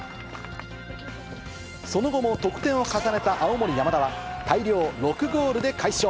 その後も得点を重ねた青森山田は、大量６ゴールで快勝。